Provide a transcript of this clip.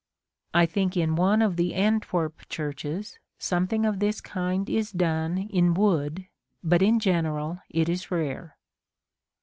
I think in one of the Antwerp churches something of this kind is done in wood, but in general it is rare.